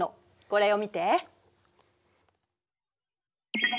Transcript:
これを見て。